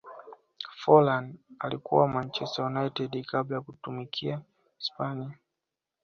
forlan alikuwa manchester united kabla ya kutimkia hispania